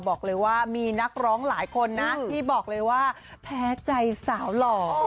บอกเลยว่ามีนักร้องหลายคนนะที่บอกเลยว่าแพ้ใจสาวหล่อ